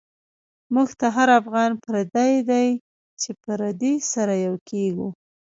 مونږ ته هر افغان پردۍ دۍ، چی پردی سره یو کیږی